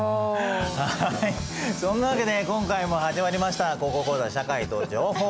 はいそんなわけで今回も始まりました「高校講座社会と情報」。